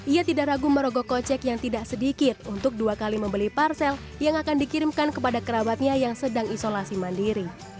ia tidak ragu merogoh kocek yang tidak sedikit untuk dua kali membeli parsel yang akan dikirimkan kepada kerabatnya yang sedang isolasi mandiri